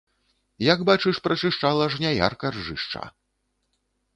Як бачыш прачышчала жняярка ржышча!